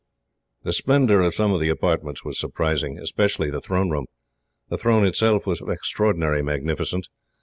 The splendour of some of the apartments was surprising, especially the throne room. The throne itself was of extraordinary magnificence.